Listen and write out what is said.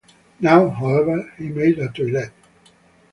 Now, however, he made a toilet.